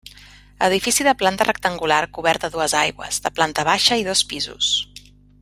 Edifici de planta rectangular cobert a dues aigües, de planta baixa i dos pisos.